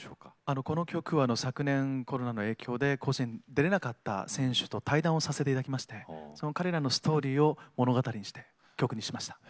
この曲は昨年コロナの影響で甲子園出れなかった選手と対談をさせていただきましてその彼らのストーリーを物語にして曲にしました。